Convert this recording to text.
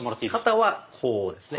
肩はこうですね。